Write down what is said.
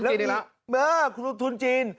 ทุนจีนอีกแล้วเออทุนจีน